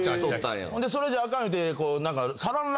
それじゃあかん言うて。